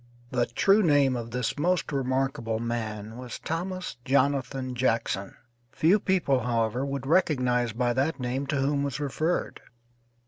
The true name of this most remarkable man was Thomas Jonathan Jackson; few people, however, would recognize by that name to whom was referred.